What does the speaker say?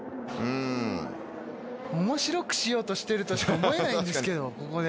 おもしろくしようとしてるとしか思えないんですけどここで。